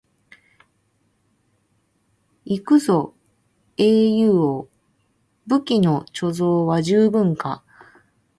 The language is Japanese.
行くぞ英雄王、武器の貯蔵は十分か？